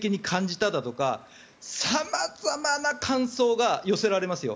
ただとか様々な感想が寄せられますよ。